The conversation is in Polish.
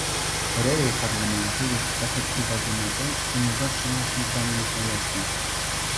Rolą Parlamentu jest zwracać uwagę na to, co nie zawsze naszym zdaniem jest najlepsze